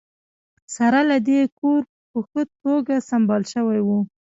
سره له دې کور په ښه توګه سمبال شوی و